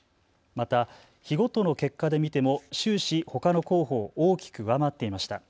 また日ごとの結果で見ても終始ほかの候補を大きく上回っていました。